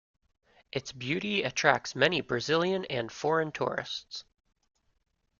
Its beauty attracts many Brazilian and foreign tourists.